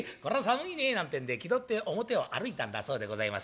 なんてんで気取って表を歩いたんだそうでございます。